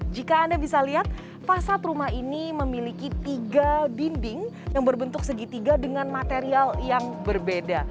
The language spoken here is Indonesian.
jika anda bisa lihat fasad rumah ini memiliki tiga dinding yang berbentuk segitiga dengan material yang berbeda